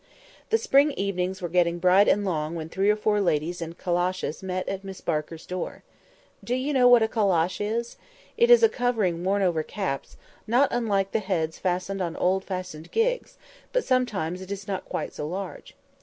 The spring evenings were getting bright and long when three or four ladies in calashes met at Miss Barker's door. Do you know what a calash is? It is a covering worn over caps, not unlike the heads fastened on old fashioned gigs; but sometimes it is not quite so large.